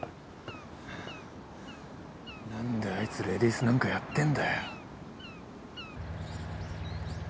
何であいつレディースなんかやってんだよ。